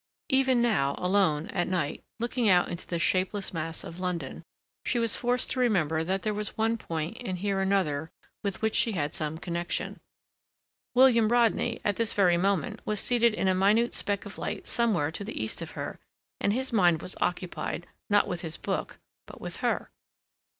Even now, alone, at night, looking out into the shapeless mass of London, she was forced to remember that there was one point and here another with which she had some connection. William Rodney, at this very moment, was seated in a minute speck of light somewhere to the east of her, and his mind was occupied, not with his book, but with her.